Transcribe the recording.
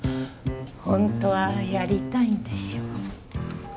本当はやりたいんでしょ？